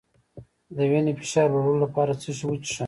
د وینې فشار لوړولو لپاره څه شی وڅښم؟